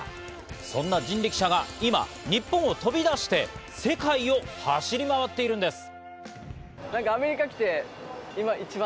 そんな人力車が今、日本を飛び出して、世界を走り回っているんです。